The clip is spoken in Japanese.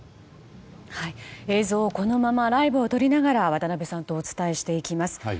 映像このままライブを撮りながら渡辺さんとお伝えしていきます。